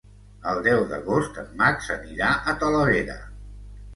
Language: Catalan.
El deu d'agost en Max anirà a Talavera.